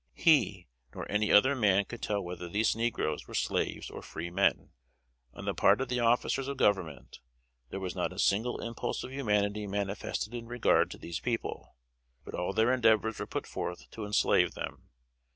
He, nor any other man could tell whether these negroes were slaves or freemen. On the part of the officers of Government, there was not a single impulse of humanity manifested in regard to these people; but all their endeavors were put forth to enslave them.